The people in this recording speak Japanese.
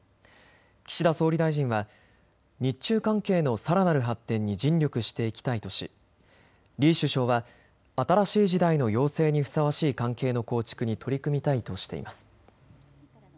岸田総理大臣は日中関係のさらなる発展に尽力していきたいとし李首相は新しい時代の要請にふさわしい関係の構築に取り組みたいとしています。